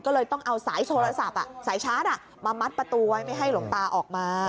ก็เลยต้องเอาสายโทรศัพท์สายชาร์จมามัดประตูไว้ไม่ให้หลวงตาออกมา